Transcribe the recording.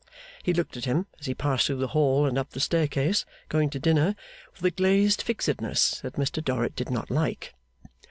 He looked at him, as he passed through the hall and up the staircase, going to dinner, with a glazed fixedness that Mr Dorrit did not like.